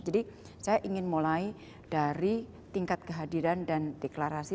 jadi saya ingin mulai dari tingkat kehadiran dan deklarasi